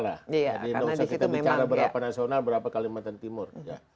jadi tidak usah kita bicara berapa nasional berapa kalimantan timur